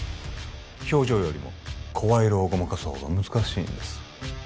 表情よりも声色をごまかす方が難しいんです